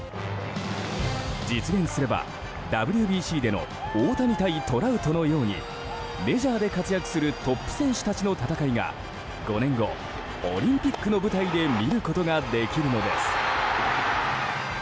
実現すればＷＢＣでの大谷対トラウトのようにメジャーで活躍するトップ選手たちの戦いが５年後、オリンピックの舞台で見ることができるのです。